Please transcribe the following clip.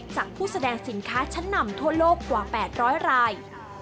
ผู้แสดงสินค้าชั้นนำทั่วโลกกว่า๘๐๐ราย